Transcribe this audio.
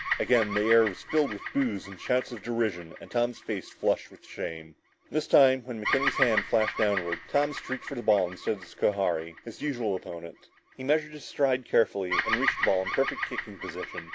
Again the air was filled with boos and shouts of derision and Tom's face flushed with shame. This time, when McKenny's hand flashed downward, Tom streaked for the ball, instead of Schohari, his usual opponent. He measured his stride carefully and reached the ball in perfect kicking position.